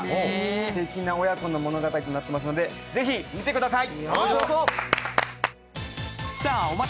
すてきな親子の物語となっておりますので、是非、見てください。